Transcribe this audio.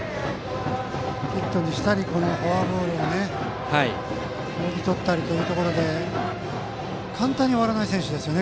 ヒットにしたりフォアボールをもぎ取ったりと簡単に終わらない選手ですね